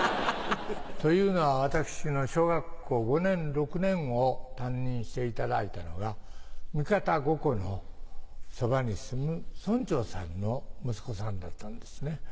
というのは私の小学校５年６年を担任していただいたのが三方五湖のそばに住む村長さんの息子さんだったんですね。